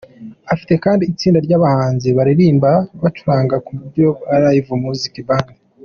Afite kandi itsinda ry’abahanzi baririmbana bacuranga ku buryo bwa Live Music Band.